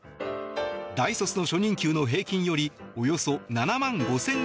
大卒の初任給の平均よりおよそ７万５０００円